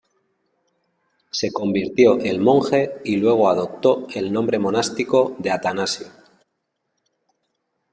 Se convirtió en monje y luego adoptó el nombre monástico de "Atanasio".